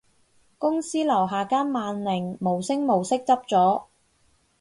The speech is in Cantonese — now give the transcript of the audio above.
公司樓下間萬寧無聲無息執咗